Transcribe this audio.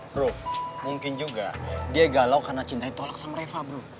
bro mungkin juga dia galau karena cintanya ditolak sama reva bro